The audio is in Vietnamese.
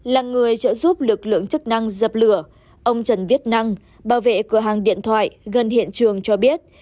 là người trợ giúp lực lượng chức năng dập lửa ông trần viết năng bảo vệ cửa hàng điện thoại gần hiện trường cho biết